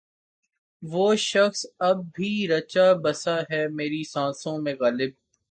وہ شخص اب بھی رچا بسا ہے میری سانسوں میں غالب